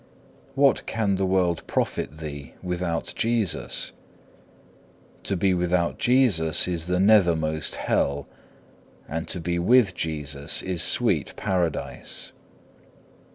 2. What can the world profit thee without Jesus? To be without Jesus is the nethermost hell, and to be with Jesus is sweet paradise.